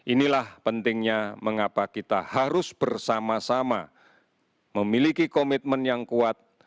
inilah pentingnya mengapa kita harus bersama sama memiliki komitmen yang kuat